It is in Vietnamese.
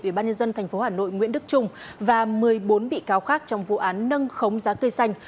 ủy ban nhân dân tp hà nội nguyễn đức trung và một mươi bốn bị cáo khác trong vụ án nâng khống giá cây xanh